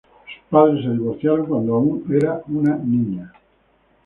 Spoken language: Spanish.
Sus padres se divorciaron cuando aún era una niña.